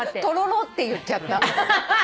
「トロロ！」って言っちゃった。